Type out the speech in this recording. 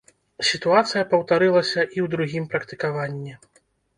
Сітуацыя паўтарылася і ў другім практыкаванні.